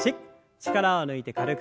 力を抜いて軽く。